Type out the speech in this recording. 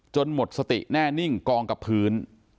หมดสติแน่นิ่งกองกับพื้น